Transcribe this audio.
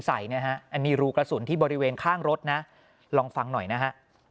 ใส่นะฮะอันนี้รูกระสุนที่บริเวณข้างรถนะลองฟังหน่อยนะฮะ